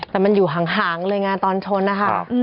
แต่มันอยู่ห่างเลยไงตอนชนนะคะ